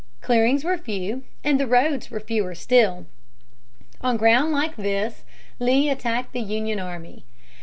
Clearings were few, and the roads were fewer still. On ground like this Lee attacked the Union army.